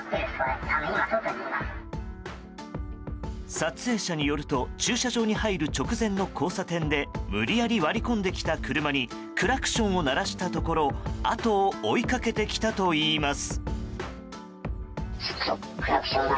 撮影者によると駐車場に入る直前の交差点で無理やり割り込んできた車にクラクションを鳴らしたところ後を追いかけてきたといいます。